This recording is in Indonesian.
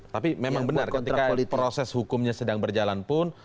tapi memang benar ketika proses hukumnya sedang berjalan pun